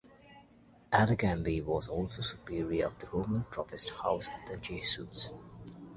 Alegambe was also superior of the Roman professed house of the Jesuits.